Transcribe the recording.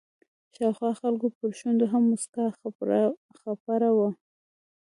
شاوخوا خلکو پر شونډو هم مسکا خپره وه.